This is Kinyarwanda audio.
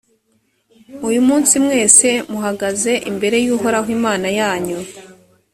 uyu munsi mwese muhagaze imbere y’uhoraho imana yanyu: